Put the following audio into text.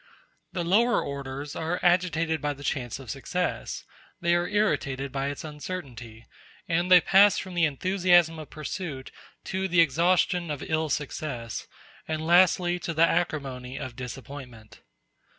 The lower orders are agitated by the chance of success, they are irritated by its uncertainty; and they pass from the enthusiasm of pursuit to the exhaustion of ill success, and lastly to the acrimony of disappointment.